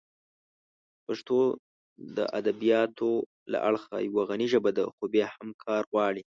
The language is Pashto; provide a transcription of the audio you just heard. پښتو د ادبیاتو له اړخه یوه غني ژبه ده، خو بیا هم کار غواړي.